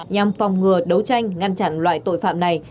nhằm phòng ngừa đấu tranh ngăn chặn loại tội phạm này